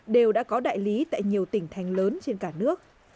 đều đã có đại lý tại nhiều tỉnh thành lớn trên cả nước